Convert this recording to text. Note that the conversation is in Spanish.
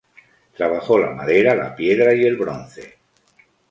Trabajó la madera, la piedra y el bronce.